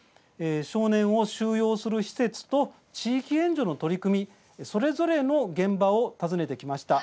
少年を収容する施設と地域援助の取り組みそれぞれの現場を訪ねてきました。